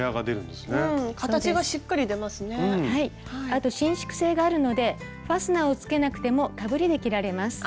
あと伸縮性があるのでファスナーをつけなくてもかぶりで着られます。